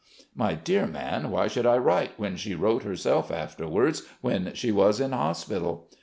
"My dear man, why should I write, when she wrote herself afterwards when she was in hospital?"